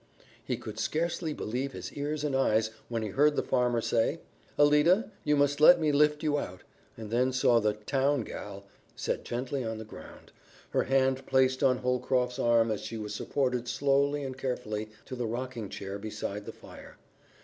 He could scarcely believe his ears and eyes when he heard the farmer say, "Alida, you must let me lift you out," and then saw the "town gal" set gently on the ground, her hand placed on Holcroft's arm as she was supported slowly and carefully to the rocking chair beside the fire.